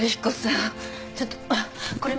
ちょっとこれ見て。